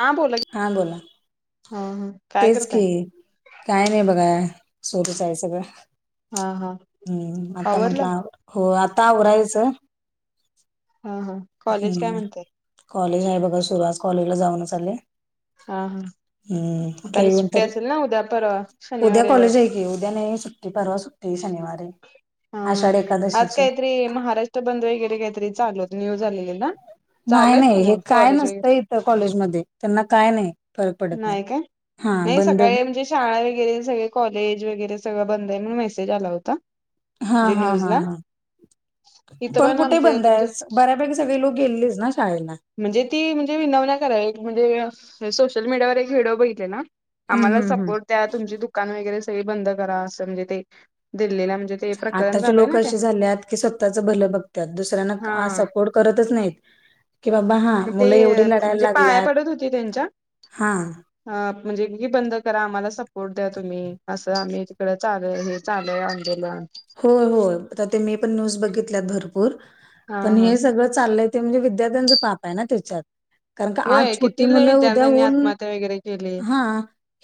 हा बोला की हा बोला, हा हा काय तेच करताय? कि. काय नाही बघा सूरुचं आहे सगळं हा हा हम्म, ऋ आता आवरलं? म्हंटलं अता आतावरायचं. हा, हा..... कॉलेज काय हम्म म्हणतय? कॉलेज आहे बघा सुरु, आज कॉलेजला जाऊनचं आले. हा, हा हम्म त्याला म्हटलं आणि येऊन सुट्टी तरी असेल ना उद्या पर अ शनिवार, उद्या रविवार? कॉलेज आहे उद्या नाही सुट्टी, परवा सुट्टी शनिवार ये. हा, हा आज काहीतरी महाराष्ट्र बंद वगैरे काहीतरी चालू होतं, न्यूज आलेली ना? चालू नाही, आहेत का नाही हे मग काय कॉलेज वगैरे नसतंय इथं कॉलेजमध्ये, त्यांना काय नाही फरक पडत नाही. हा नाही बंद सकाळी म्हणजे शाळा वगैरे सगळे कॉलेज वगैरे सगळं बंद आहे म्हणून मेसेज आला होता हा म्हणजे हा न्यूज हा ला हा इथं पण कुठे आमचे बंद तुमचे आज बऱ्यापैकी सगळे लोक गेलेच ना शाळेला? म्हणजे ती म्हणजे विनवण्या करायलती एक म्हणजे सोशल मीडियावर एक व्हिडिओ बघितलेला हम्म आम्हाला हम्म हम्म सपोर्ट द्या तुमची दुकान वगैरे सगळी बंद करा असं म्हणजे ते दिल्लीला म्हणजे ते प्रकरण आताचे झालंय लोक ना ते असे झाल्यात की स्वतःच भलं बघत्यात हा दुसऱ्यांना सपोर्ट करतच नाहीत. कि बाबा हा मग ते मुलं एवढी लढायला म्हणजे पाया लागल्यात, हा. हा म्हणजे की बंद करा आम्हाला सपोर्ट द्या तुम्ही असं आम्ही तिकडं चालू आहे हे चालू आहे आंदोलन. होय होय आता ते मी पण न्यूज बघितल्यात भरपूर हा पण हा हे सगळं चाललंय ते म्हणजे विद्यार्थ्यांचं पाप आहे ना तेच्यात कारण का आज होय किती छोटी लय मुलं उद्या विद्यार्थ्यांनी होऊन आत्महत्या वगैरे केली हा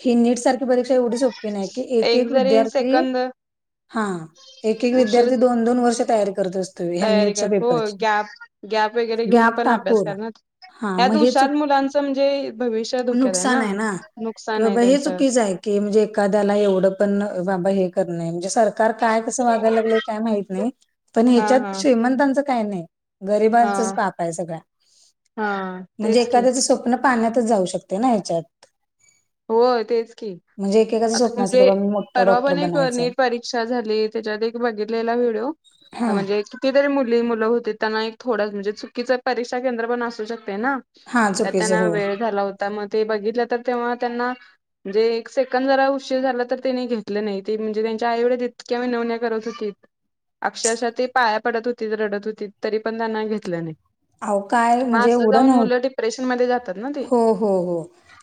ही नीट सारखी परीक्षा एवढी सोपी नाही की एक एक जरी विद्यार्थी सेकंद हा एक एक उशीर विद्यार्थी दोन दोन वर्ष तयारी करत असतो ह्या तयारी कर नीटच्या हो पेपरची गॅप गॅप वगैरे घेऊन गॅप पण अभ्यास टाकून करणार हा मग ह्यात हे हुशार चुक मुलांचं म्हणजे भविष्य धोक्यात आहे ना? कि नुकसान आहे बाबा हे त्यांचं चुकीचं आहे की म्हणजे एखाद्याला एवढं पण बाबा हे करण म्हणजे सरकार काय कसं वागायला लागलं काय माहित नाही, पण हा ह्याच्यात हा श्रीमंतांच काय नाही हा गरीबांचच पाप आहे सगळ्या. हा म्हणजे तेच की एखाद्याच पाण्यातच जाऊ शकते ना ह्याच्यात हो तेच की म्हणजे एकेकाचं आता स्वप्न असं की म्हणजे बाबा मी मोठा परवा डॉक्टर पण एक बनायचं नेट परिक्षा परीक्षा झाली त्याच्यात एक बघितलेला व्हिडिओ हा म्हणजे किती तरी मुली मुलं होती त्यांना एक थोडंच म्हणजे चुकीचं परीक्षा केंद्र पण असू शकते ना? हा त्यात चुकीचं त्यांना हो वेळ झाला होता मग ते बघितलं तर तेव्हा त्यांना म्हणजे एक सेकंड जरा उशीर झाला तर त्यांने घेतलं नाही. ते म्हणजे त्यांच्या आई वडील इतक्या विनवण्या करत होतीत अक्षरशः ते पाया पडत होती रडत होती तरी पण त्यांना घेतलं नाही. अहो काय मग म्हणजे असं एवढं जाऊन नव्ह मुलं डिप्रेशन मध्ये जातात ना ती. हो हो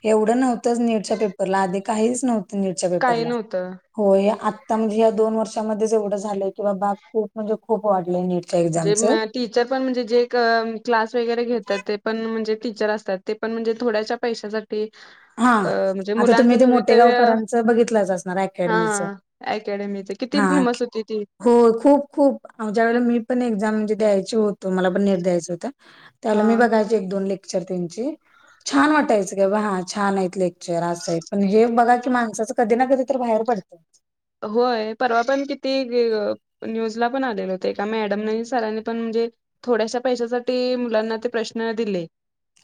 एवढं नव्हतंच नीटच्या पेपरला आधी काहीच नव्हतं नीटच्या काही पेपरला. नव्हतं. हो आत्ता म्हणजे या दोन वर्षामध्येच एवढं झालंय की बाबा खूप म्हणजे खूप वाढलंय नीट. [unintelligible] टीचर पण म्हणजे जे क्लास वगैरे घेतात ते पण म्हणजे टीचर असतात ते पण म्हणजे थोड्याश्या पैशासाठी हा अ म्हणजे आता तुम्ही मुलांचं ते भवितव्य मोठेगावकरांचं बघितलंच असणार हा अकॅडमीच अकॅडमीच हा किती फेमस होती ती. हो खूप खूप ज्या वेळेला मी पण एक्झाम म्हणजे द्यायची होतो मला पण नेट द्यायचं होतं. त्या हा वेळेला मी बघायचे एक दोन लेक्चर त्यांची छान वाटायचं की बाबा हा छान आहेत लेक्चर असं आहे पण हे बघा कि माणसाचं कधी ना कधी तर बाहेर पडतं. होय परवा पण किती न्यूजला पण आलेल होते का मॅडम नाही सरांनी पण म्हणजे थोड्याशा पैशासाठी मुलांना ते प्रश्न दिले.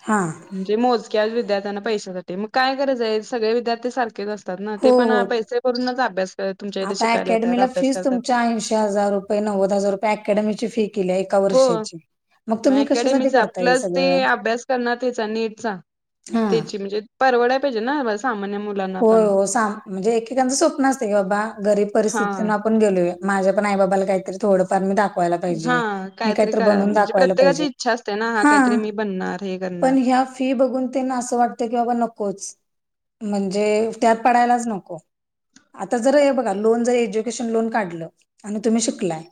हां म्हणजे मोजक्या विद्यार्थ्यांना पैशासाठी मग काय गरज आहे सगळे विद्यार्थी सारखेच असं असतात ना ते हो पण हो पैसे भरूनच अभ्यास कर तुमच्या इथे आता शिकायला येतात अकॅडमीला अभ्यास फीज करतात तुमच्या ऐंशी हजार रुपये, नव्वद हजार रुपये अकॅडमीची फी केली आहे. हो मग अकॅडेमीचा करताय आपलाच ते सगळं अभ्यास करणार हेचा नेटचा? हा तेची म्हणजे परवडाया पाहिजे न सामान्य मूल होय हो, सां म्हणजे एकेकांचं स्वप्न असतं की बाबा गरीब हा परिस्थितून आप पण गेलोय माझ्या पण आई बाबाला काहीरी थोडं हा काहीतरी करा बनवून म्हणजे दाखवायला पाहिजे प्रत्येकाची इच्छा असते, ना हा काहीतरी मी बनणार. हे पण करणार. ह्या फी बघून त्यांना असं वाटते की बाबा नकोच. म्हणजे त्यात पडायलाच नको. आता जर हे बघा लोन जर एज्युकेशन लोन काढलं आणि तुम्ही शिकलाय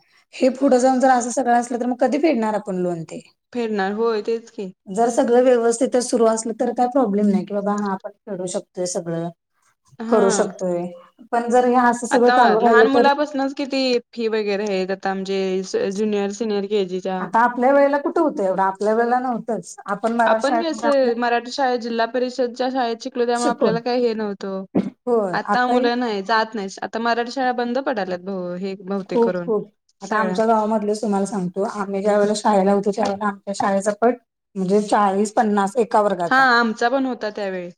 हे पुढं जाऊन जर असं सगळं असलं तर मग कधी फेडणार आपण लोन ते? फेडणार, होय तेच की. जर सगळं व्यवस्थित तर सुरू असलं तर काय प्रॉब्लेम नाही, कि बाबा हा आपण फेडू शकतोय सगळं. हा करू शकतोय पण जर हे हास आता लहान मुलापासनच किती फी वगैरे आहेत, आता म्हणजे ज्युनियर सिनियर के जी आता आपल्या वेळेला कुठ होतं एवढं आपल्या वेळेला नव्हतंच आपण मरा शाळेत आपल्या कसं मराठी शाळेत जिल्हा परिषदच्या शाळेत शी कलो त्यामुळे शिकून आपल्याला काही हे नव्हतं, होय आता आताही मुलं नाही जात नाही मराठी शाळा बंद पडाल्यात भो हे बहुतेक खूप करून. खूप आता सगळ्या आमच्या गावामधलेच तुम्हाला सांग तो आम्ही ज्या वेळेला शाळेला होतो त्यावेळेला आमच्या शाळेचा पट म्हणजे चाळीस पन्नास एका हा वर्गाचा आमचा पण होता त्यावेळी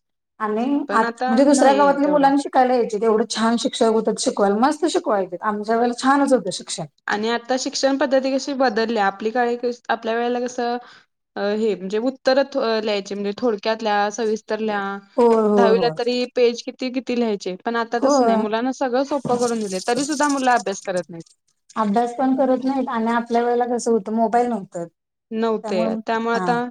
आणि पण आता म्हणेजे आत दुसऱ्या नाही गावातल्या तेवढा. मुंलाची करायचे एवढं छान शिक्षक होतात शिकवायला मस्त शिकवायचे आमच्या वेळेला छानच होतं शिक्षण. आणि आता शिक्षण पद्धती कशी बदलल्या आपली काळी कस आपल्या वेळेला कसं हे म्हणजे उत्तर लिहायचे म्हणजे थोडक्यात लिहा, सविस तर लिहा होय होय दहावीला होय तरी पेज किती किती लिहायचे पण आता तसं नाही होय मुलांना सगळं सोपं करून दिलेत. तरी सुद्धा मुल अभ्यास करत नाहीत. अभ्यास पण करत नाहीत आणि आपल्या वेळेला कसं होतं मोबाईल नव्हतं. नव्हते त्यामुळे हा आता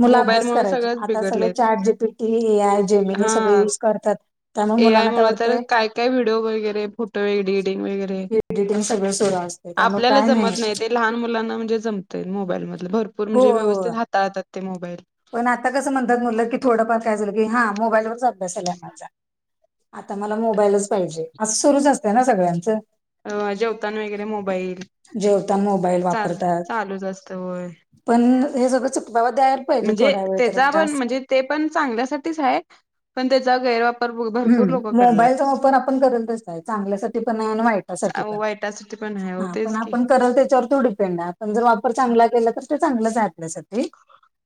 मुल मोबाईल अभ्यास मुळ करायची सगळंच आता सगळे बिघडलेत चार्ट जी पी ती, ए आय, जेमीनी हे हा सगळे युज करतात, त्यामुळे मुलांना काय वाटतय काही व्हडिओ वगैरे फोटो एडिग वगै रे एडिटिंग सगळं सुरू असते त्यामुळे आपल्याला काय जमत नाही, ते लहान मुलांना म्हणजे जम ते मोबाईलमध भरपूर हो म्हणजे हो व्यवस्थित हाताळतात ते मोबाईल. पण आता कसं म्हणतात मुल की थोडंफार काय झालं की हा मोबाईलवरच अभ्यास आलाय आहे माझा. आता मला मोबाईलच पाहिजे अस सुरूच असते ना सगळ्यांचं. अ जेवताना वगैरे मोबाईल जेवताना मोबाईल चाल वापरतात चालूच असतंय होय. पण हे सगळं चुकवाव द्याय म्हणजे त्याचा पण म्हणजे ते पण चांगल्यासाठीच आहे, पण त्याचा गैरवाप हम्म मोबाईलचा वापर आपण अरेल तसा आहे. चांगल्यासाठी पण आहे आणि वाईटासाठी पण हो, वायटासाठी पण आहे. हो हा पण तेच की आपण करल त्याच्यावर तो डिपेंड आहे. पण जर वापर चांगला केला तर ते चांगलाच आहे आपल्यासाठी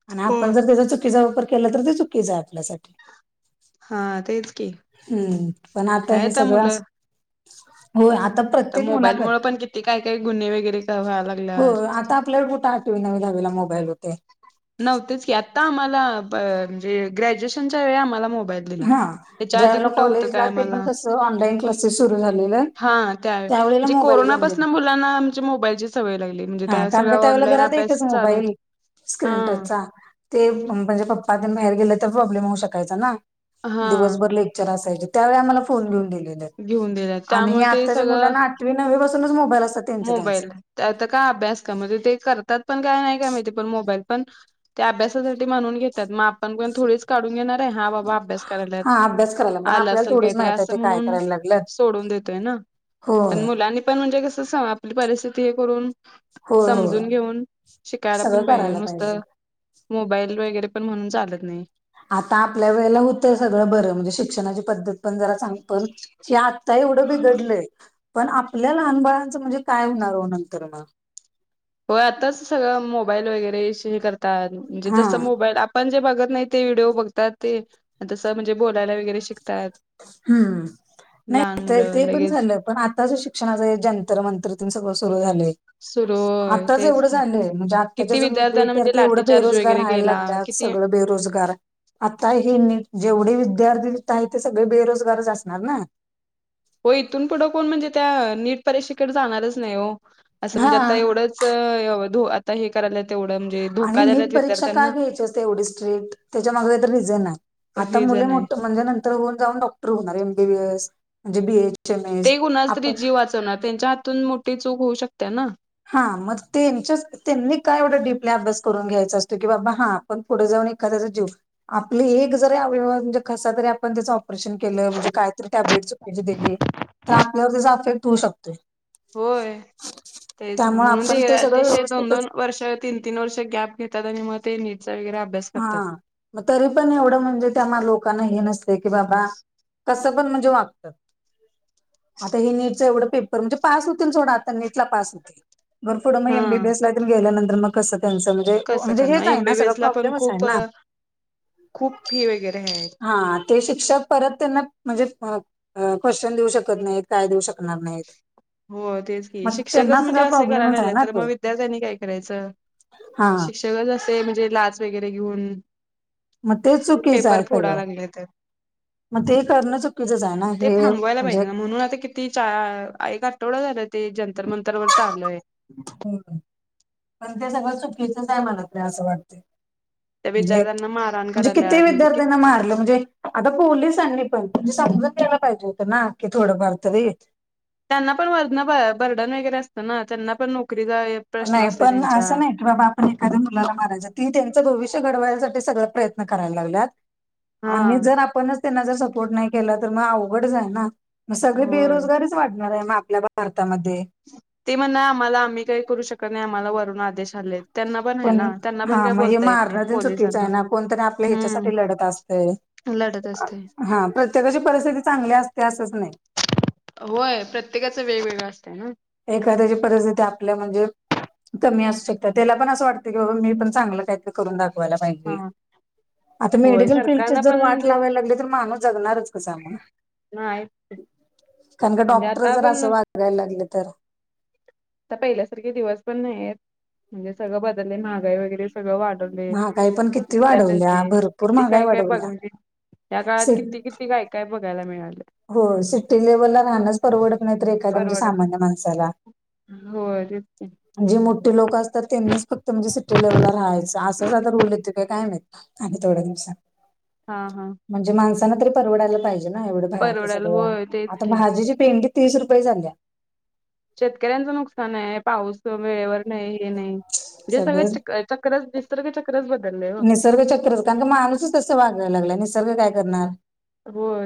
आणि आपण होय. जर त्याचा चुकीचा वापर केला तर ते चुकीच आहे आपल्यासाठी. हा तेच की हम्म पण आता काय हे सगळं मुलं असं तर मुलाकड मोबाईलमुळं पण किती काय काय गुन्हे वगैरे व्हाय लागलेत. आपल्या कुठं आठवी, नववी-दहावीला मोबाईल होते. नव्हतेच की, आता आम्हाला म्हणजे ग्रॅज्युएशनच्या वेळी आम्हाला मोबाईल. दिला. हा, त्याच्या आधी ज्यावेळेला कुठं होतं काय कॉलेजला, ते पण आम्हाला कसं ऑनलाइन क्लासेस सुरू झालेलं. हा, त्यावेळेस त्यावेळेला म्हणजे मोबाईल घेऊन कोरोनापासून दिले मुलांना आमच्या मोबाईलची सवय लागली. म्हणजे हा, त्या कारण की सगळ्या त्यावेळेला ऑनलाईन घरात एकच अभ्यास चालू मोबाईल. होता स्क्रीन हा टचचा ते, म्हणजे पप्पा तेण बाहेर गेले तर प्रॉब्लेम होऊ शकायचा ना. हा दिवसभर लेक्चर असायचे त्यावेळी आमला फोन घेऊन दिलेले. घेऊन दिला आणि हे त्यामुळे ते आत्ताच्या सगळं मुलांना आठवी नववी पासूनच मोबाईल असतात त्यांच त्यांच. मोबाईल आता काय अभ्यास का, म्हणजे ते करतात पण काय नाही का, माहीत नाही, पण मोबाईल पण. ते अभ्यासासाठी म्हणून घेतात, मग आपण कोण थोडीच काढून घेणार आहे, हा बाबा अभ्यास करायलात. हा अभ्यास करायला पण आलं आपल्याला असेल थोडीच काहीतरी माहित आहे असं ते काय म्हणून करायला लागल्यात सोडून देतोय ना, पण होय मुलांनी. पण म्हणजे, कसं आपली परिस्थिती हे करून. होय होय. समजून घेऊन शिकायला सगळं पण पाहिलेे करायला पाहिजे नुसतं मोबाईल वगैरे पण म्हणून चालत नाही. आता आपल्या वेळेला होतं सगळं बरं, म्हणजे शिक्षणाची पद्धत पण जरा सांग पण. या, आत्ता एवढं बिघडलंय, पण आपल्या लहान बाळांचं म्हणजे काय होणार हो नंतर ना? हो, आताच सगळं मोबाईल वगैरे हे करतात, म्हणजे हा जसं मोबाईल. पण जे बघत नाही ते व्हिडिओ बघतात ते तसं, म्हणजे बोलायला वगैरे शिक हम्म, लहान नाही मुलं ते पण लगेच झालं, पण आता शिक शिकण्याचं जंतर-मंतर ते सगळं सुरू झाले. सुरू होय आताच तेच एवढं की झालंय, म्हणजे आत्ताच्या किती जम विद्यार्थ्यांना त्या म्हणजे ते एवढं लाठीचार्ज बेरोजगार वगैरे राहायला केला लागत किती सगळं. बेरोजगार आता हे जेवढे विद्यार्थी. ते सगळे बेरोजगारच असणार ना. हो, इथून पुढं कोण म्हणजे, त्या नीट परीक्षेकडे जाणारच नाही हो, असं हा म्हणजे आता एवढंच. च यावधु हे करायला तेवढं म्हणजे आणि धोका द्यायल्यात नीट परीक्षा काय विद्यार्थ्यांना. घ्यायची असते एवढी स्ट्रेट, त्याच्या माग तर रिझन आहे. आता हे मुले जण आहे मोठं म्हणजे नंतर होऊन जाऊन डॉक्टर होणार, एमबीबीएस म्हणजे बीएच. ते कुणाचं तरी जीव वाचवणार, त्यांच्या हातून मोठी चूक होऊ शकते ना. हा, मग त्यांनी काय एवढं डडीपले अभ्यास करून घ्यायचा असतो की बाबा, हा. पण पुढे जाऊन एखादाचा जीव आपलं एक जरी अव म्हणजे कसा तरी आपण त्याचं ऑपरेशन केलं, म्हणजे काय तरी टॅबलेट चुकीची दिली. तर आपल्यावर त्याचा अफेक्ट होऊ शकतोय. होय तेच ना, त्यामुळे म्हणून आपण ते सगळं अतिशय दोन व्यवस्थितच दोन वर्ष तीन-तीन वर्षं गॅप घेतात आणि मग ते नीटचा वगैरे अभ्यास हा करतात. मग तरी पण एवढं म्हणजे, त्या लोकांना हे नसतं की, बाबा कसं पण म्हणजे वागतं. आता हे नीटचं एवढं पेपर म्हणजे पास होतील. सोडा, आता नीटला पास होतील. मर पुढं, मग हा एमबीबीएसला गेल्यानंतर मग कसं त्यांचं म्हणे, कसं म्हणजे करणार हेच आहे ना सगळं. एमबीबीएस पण प्रॉब्लेमच आहे ना खूप-खूप फी वगैरे आहेत. हा ते शिक्षा परत त्यांना, म्हणजे क्वेश्चन देऊ शकत नाही. काय देऊ शकणार नाहीत. हो, तेच की मग शिक्षकच त्यांना म्हणजे सगळा असे करायला प्रॉब्लेमच आहे लागलं, ना तर मग तो विद्यार्थ्यांनी काय करायचं? हा. जग असं म्हणजे लाच वगैरे घेऊन. मग ते चुकीचं पेपर आहे फोडा सगळं लागले ते मग ते करणं चुकीचंच आहे ना ते हे थांबवायला म्हणजे पाहिजे ना, म्हणून आता कित च्या एक आठवडा झाला, ते जंतर मंतर वर चालुये. हो पण ते सगळं चुकीकीचच आहे मला ते असं वाटते. त्या म्हणजे विद्यार्थ्यांना मारहाण म्हणजे करायला किती म्हणजे कि विद्यार्थ्यांना मारलं म्हणजे आता पोहलीसांनी पण म्हणजे समजून घ्यायला पाहिजे होतं ना की थोडंफार तरी. त्यांना पण वर्ण बंधन वगैरे असतं ना, त्यांना पण नोकरी जा नाही पण असं नाही कि बाब पण एखाद्या मुलाला मारायचं ती त्यांच भविष्य घडवायसाठी सगळं प्रयत्न करायला लागल्यात. हा आणि जर आपणच त्यांना जर सपोर्ट नाही केला तर, मग अवघडच आहे ना. मग सगळे होय बेरोजगारीच वाढणार आहे, म आपल्या भारतामध्ये. ते म्हणा आम्हाला आम्ही काही करू शकत नाही, आम्हाला वरून आदेश आलेत. त्यांना पण आहे ना, त्यांना पण हा काय म्हणजे बोलता येत नाही मारणं तेन चुकीचं पोलिसांना आहे ना कोणतरी आपल्या हम्. ह्याच्यासाठी लढत असतय. तु लढतं असते. हा प्रत्येकाची परिस्थिती चांगली असते असंच नाही. होय प्रत्येकाचं वेगवेगळं असतंय ना. एखाद्याची परिस्थिती आपल्या म्हणजे कमी असू शकते, त्याला पण असं वाटतं की बाबा मी पण चांगलं काहीतरी करून दाखवायला पाहिजे. हा आता होय मेडिसिन फील्डची सरकारला जर पण वाट म्हणजे लावायला लागली, तर माणूस जगणारच कसा? नाही कारण का म्हणजे डॉक्टर आता जर पण असं आता वागायला लागले तर? आता पहिल्यासारखे दिवस पण नाही आहेत म्हणजे सगळं बदलले महागाई वगैरे सगळं वाढलं. महागाई पण किती थ वाढवल्या भरपूर किती महागाई काय काय बघ वाढवल्या म्हणजे या काळात सिट किती, किती काय काय बघायला मिळालं. हो सिटी लेव्हलला राहणंच परवडत नाहीत, एखाद्या म्हणजे परवडत नाही सामान्य माणसाला. होय, तेच की जे मोठे लोक असतात त्यांनीच फक्त म्हणजे सिटी लेव्हलला राहायचं, आसं साधा रूल येते का काय माहित आणि तेवढया दिवसात हा, हा म्हणजे माणसांना तरी परवडायला पाहिजे ना एवढं बाहेर च परवडायला सगळं होय तेच आता की भाजी ची पेंडी तीस रुपये झाल्या. शेतकऱ्यांचं नुकसान आहे पाऊस वेळेवर नाही, हे नाही म्हणजे सगळ सगळं चिखल चक्रच, निसर्गचक्र चक्रच बदलले बघ. निर्ग चक्रच कारण का माणूसच तंस वागायला लागलाय, निसर्ग काय करणार? हो, त